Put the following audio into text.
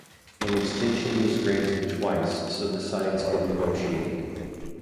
An extension was granted twice so the sides could negotiate.